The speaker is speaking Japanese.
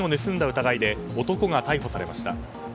疑いで男が逮捕されました。